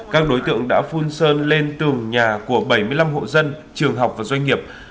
các đối tượng đã phun sơn lên tường nhà của bảy mươi năm hộ dân trường học và doanh nghiệp